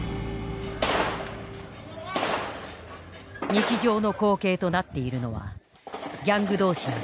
日常の光景となっているのはギャング同士の銃撃戦だ。